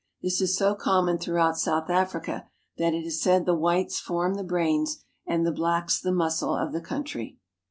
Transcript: This is so common throughout South Africa that it is said the whites form the brains and the blacks the muscle of the country.